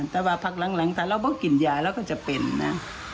แต่ว่าพักหลังแต่เราก็กินยาเราก็จะเป็นนะ